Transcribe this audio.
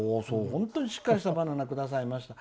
本当にしっかりしたバナナをくださいました。